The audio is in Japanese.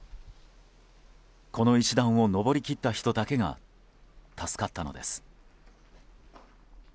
この石段を登りきった人だけが助かったのです。